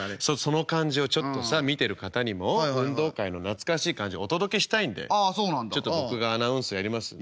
その感じをちょっとさ見てる方にも運動会の懐かしい感じお届けしたいんでちょっと僕がアナウンスやりますんで。